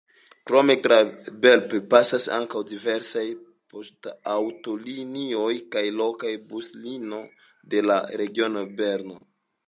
Krome tra Belp pasas ankaŭ diversaj poŝtaŭtolinioj kaj lokaj buslinio de la regiono Berno.